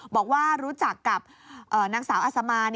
บอกว่ารู้จักกับนางสาวอัศมาน